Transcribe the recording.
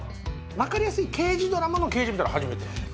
わかりやすい刑事ドラマの刑事みたいのは初めてなんですよ